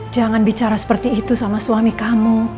jangan bicara seperti itu sama suami kamu